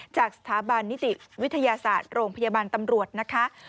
จากสถาบันนิติวิทยาศาสตร์โรงพยาบาลตำรวจนะคะ